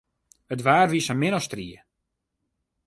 It waar wie sa min as strie.